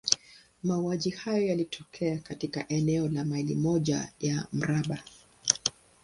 Mauaji haya yalitokea katika eneo la maili moja ya mraba.